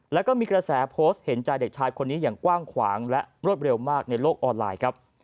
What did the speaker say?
แล้วก็มีกระแสโพสต์เห็นใจเด็กชายคนนี้อย่างกว้างขวางและรวดเร็วมากในโลกออนไลน์ครับ